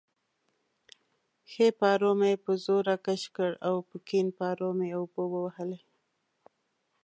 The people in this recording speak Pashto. ښی پارو مې په زور راکش کړ او په کیڼ پارو مې اوبه ووهلې.